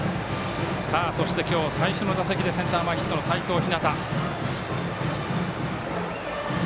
そして、今日最初の打席でセンター前ヒットの齋藤陽。